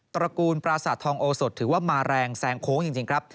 ระกูลปราสาททองโอสดถือว่ามาแรงแซงโค้งจริงครับ